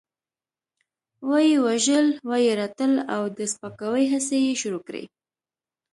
وه يې وژل، وه يې رټل او د سپکاوي هڅې يې شروع کړې.